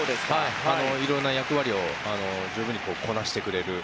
いろんな役割を上手にこなしてくれる。